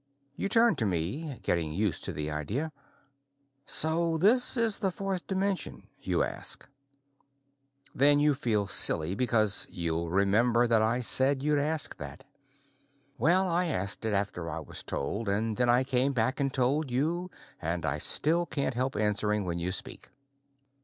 You turn to me, getting used to the idea. "So this is the fourth dimension?" you ask. Then you feel silly, because you'll remember that I said you'd ask that. Well, I asked it after I was told, then I came back and told it to you, and I still can't help answering when you speak.